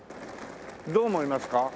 どう思いますか？